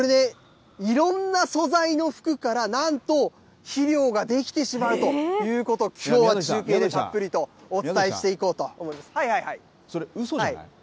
これ、いろんな素材の服から、なんと肥料が出来てしまうということを、きょうは中継でたっぷりとお伝えしていこうと思います。